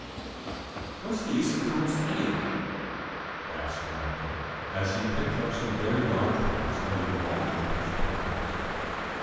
"What's the use of cones, any way?" asked Malcolm as he picked up some very large ones under the white and pitch pines.